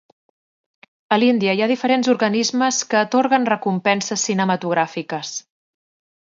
A l'Índia hi ha diferents organismes que atorguen recompenses cinematogràfiques.